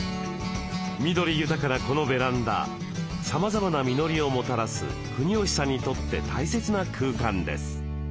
緑豊かなこのベランダさまざまな実りをもたらす国吉さんにとって大切な空間です。